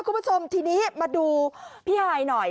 คุณผู้ชมทีนี้มาดูพี่ฮายหน่อย